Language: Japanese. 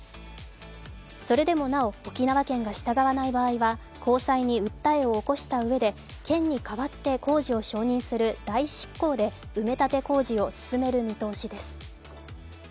それでもなお沖縄県が従わない場合は高裁に訴えを起こしたうえで県に代わって工事を承認する代執行で埋立工事を進める見通しです。